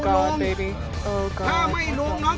ขอเชิญลุงนี้ดีกว่าไม่ยอมลงรถ